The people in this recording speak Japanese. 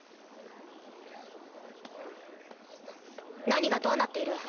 何がどうなっている？